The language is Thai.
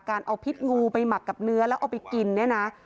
การเอาพิษงูไปหมักกับเนื้อแล้วเอาไปกินเนี่ยนะ